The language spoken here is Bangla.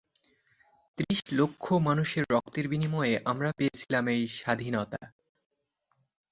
ত্রিশ লক্ষ মানুষের রক্তের বিনিময়ে আমরা পেয়েছিলাম এই স্বাধীনতা।